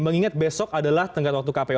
mengingat besok adalah tenggat waktu kpu